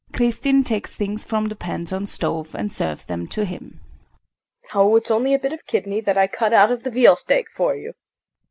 KRISTIN. [She takes things from the pans on stove and serves them to him.] Oh, it's only a bit of kidney that I cut out of the veal steak for you.